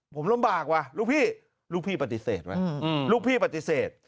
ผมลำบากว่ะลูกพี่ลูกพี่ปฏิเสธว่ะลูกพี่ปฏิเสธ